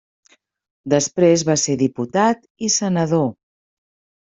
Després va ser diputat i senador.